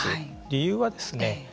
理由はですね